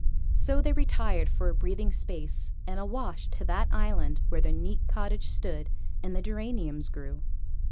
So they retired for a breathing space and a wash to that Island where the neat cottage stood and the geraniums grew.